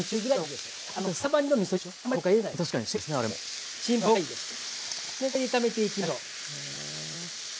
でこれで炒めていきましょう。